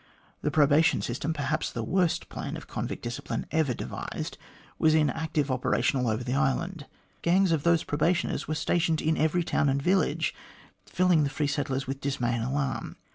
The probation system perhaps the worst plan of convict discipline ever devised was in active operation all over the island. Gangs of those probationers were stationed in every town and village, filling the free settlers with dismay and alarm.